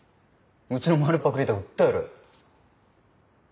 うちの丸パクリで訴えろよ。